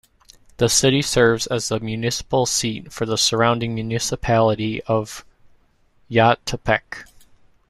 The city serves as the municipal seat for the surrounding municipality of Yautepec.